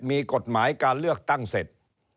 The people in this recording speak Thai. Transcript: มีกฎหมายการเลือกตั้งเสร็จ